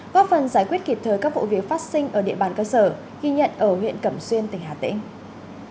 góp phần giải quyết kịp thời các vụ việc phát sinh ở địa bàn cơ sở ghi nhận ở huyện cẩm xuyên tỉnh hà tĩnh